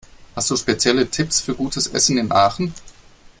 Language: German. Hast du spezielle Tipps für gutes Essen in Aachen?